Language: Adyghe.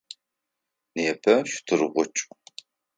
Непэ щтыргъукӏ.